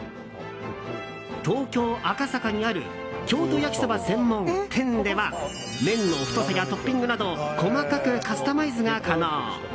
東京・赤坂にある京都焼きそば専門天では麺の太さやトッピングなど細かくカスタマイズが可能。